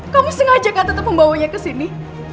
kamu sengaja gak tetap membawanya kesini